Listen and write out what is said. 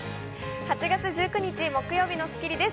８月１９日、木曜日の『スッキリ』です。